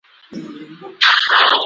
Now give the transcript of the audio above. والګی ناروغۍ عامل یو ډول ویروس دی.